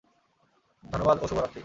ধন্যবাদ ও শুভরাত্রি।